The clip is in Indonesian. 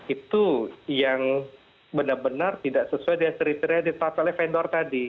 itu yang benar benar tidak sesuai dengan ceritanya di tabel vendor tadi